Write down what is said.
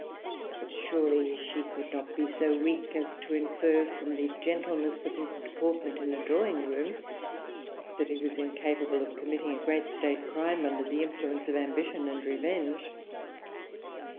But surely she could not be so weak as to infer from the gentleness of his deportment in a drawing room, that he was incapable of committing a great state crime, under the influence of ambition and revenge.